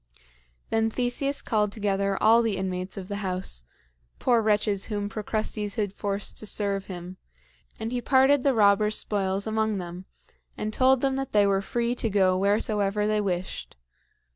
Then Theseus called together all the inmates of the house, poor wretches whom Procrustes had forced to serve him; and he parted the robber's spoils among them and told them that they were free to go wheresoever they wished.